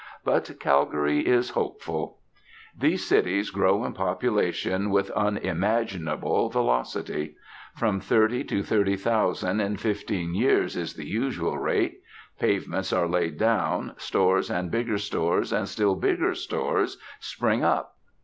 But Calgary is hopeful. These cities grow in population with unimaginable velocity. From thirty to thirty thousand in fifteen years is the usual rate. Pavements are laid down, stores and bigger stores and still bigger stores spring up.